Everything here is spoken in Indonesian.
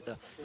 nah di sini